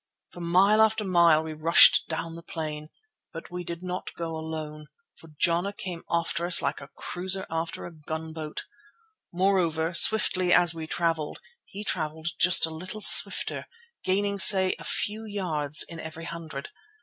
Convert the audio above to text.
For mile after mile we rushed down the plain. But we did not go alone, for Jana came after us like a cruiser after a gunboat. Moreover, swiftly as we travelled, he travelled just a little swifter, gaining say a few yards in every hundred.